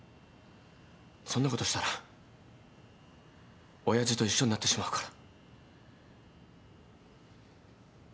そんなことしたら親父と一緒になってしまうから。